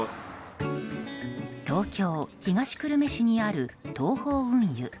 東京・東久留米市にある東邦運輸。